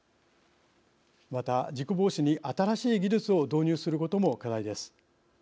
また、事故防止に新しい技術を導入することも課題です。